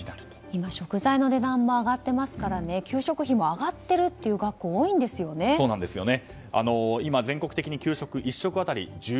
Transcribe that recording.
今、食材の値段も上がっていますから給食費が上がっている学校多いんですよね。